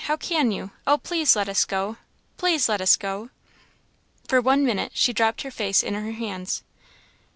How can you! Oh, please let us go! please let us go!" For one minute she dropped her face in her hands.